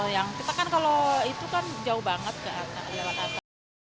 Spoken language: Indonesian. yang kita kan kalau itu kan jauh banget ke jalan atas